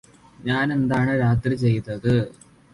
ഞാനെന്താണ് രാത്രി ചെയ്തത്